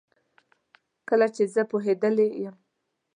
کله چي زه پوهیدلې یم